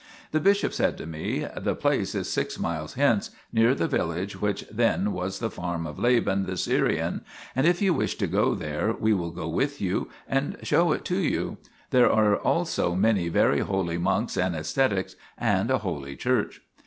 The bishop said to me :" The place is six miles hence, near the village which then was the farm of Laban the Syrian, and if you wish to go there, we will go with you and show it to you ; there are also many very holy monks and ascetics, and a holy church."